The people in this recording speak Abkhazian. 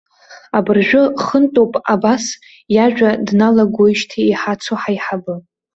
Абыржәы хынтәуп абас иажәа дналагоижьҭеи иҳацу ҳаиҳабы.